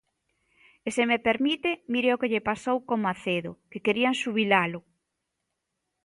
E se me permite, mire o que lle pasou con Macedo, que querían xubilalo.